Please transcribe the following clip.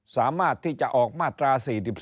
สามารถที่จะออกมาตรา๔๔